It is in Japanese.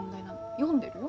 読んでるよ？